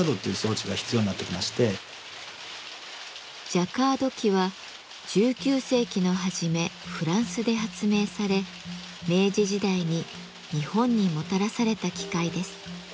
ジャカード機は１９世紀の初めフランスで発明され明治時代に日本にもたらされた機械です。